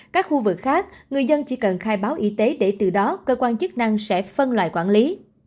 các khu vực khác người dân chỉ cần khai báo y tế để từ đó cơ quan chức năng sẽ phân loại quản lý